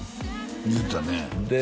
言うてたねで